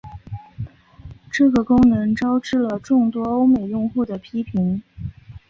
这个功能招致了众多欧美用户的批评。